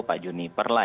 pak juniper lah